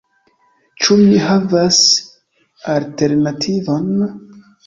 Ĉu mi havas alternativon?